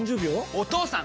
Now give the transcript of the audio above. お義父さん！